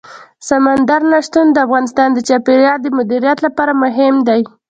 سمندر نه شتون د افغانستان د چاپیریال د مدیریت لپاره مهم دي.